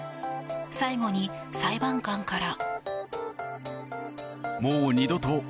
最後に裁判官から。